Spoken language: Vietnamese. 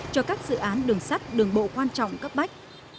cho các dự án đường sắt đường bộ quan trọng cấp bách